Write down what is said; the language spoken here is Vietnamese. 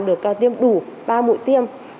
được tiêm đủ ba mũi tiêm